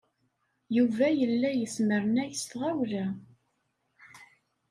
Yuba yella yesmernay s tɣawla.